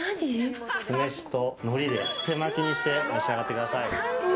酢飯とのりで手巻きにして召し上がってください。